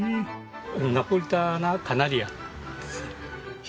ナポリターナカナリアですね。